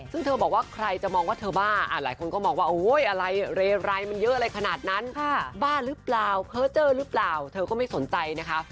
ซึ่งเธอบอกว่าใครจะมองว่าเธอบ้าหลายคนก็มองว่าโอ๊ยอะไรเรไรมันเยอะอะไรขนาดนั้นบ้าหรือเปล่าเพอร์เจอร์หรือเปล่าเธอก็ไม่สนใจนะคะ